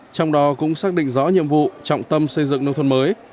trong đó cũng xác định rõ nhiệm vụ trọng tâm xây dựng nông thôn mới